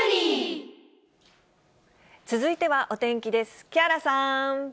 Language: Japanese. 続いてはお天気です。